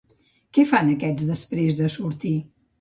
Què fan aquests després de sortir?